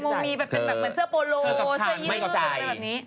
มีแบบเป็นแบบเหมือนเสื้อโปโลเสื้อยี่อะไรแบบนี้